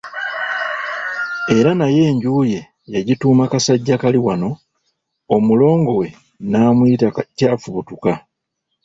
Era naye enju ye yagituuma Kasajjakaaliwano, omulongo we n'amuyita Kyafubutuka.